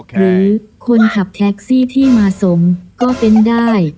หรือคนขับแท็กซี่ที่มาสมก็เป็นได้